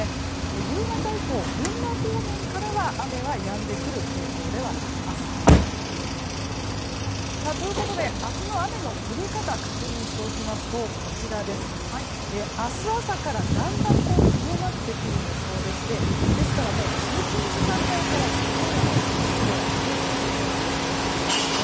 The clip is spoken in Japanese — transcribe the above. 夕方以降、群馬方面からは雨はやんでくる傾向ではあります。ということで、明日の雨の降り方を確認しておきますと明日朝からだんだん強まってくる予想でしてですからもう通勤時間帯から強い雨一部では激しく降ることがありそうなんです。